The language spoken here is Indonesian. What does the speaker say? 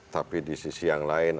tapi di sisi yang lain